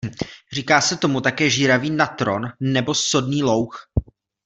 Říká se mu také žíravý natron nebo sodný louh.